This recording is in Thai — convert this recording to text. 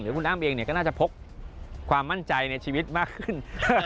คุณอ้ำเองเนี่ยก็น่าจะพกความมั่นใจในชีวิตมากขึ้น